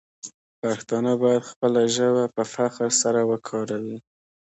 پښتانه باید خپله ژبه په فخر سره وکاروي.